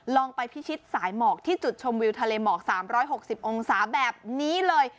ลองไปพิชิตสายหมอกที่จุดชมวิวทะเลหมอก๓๖๐องศาแบบนี้เลย